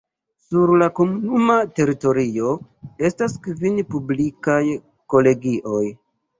Sur la komunuma teritorio estas kvin publikaj kolegioj.